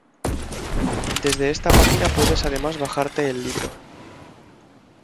Desde esta página puedes además bajarte el libro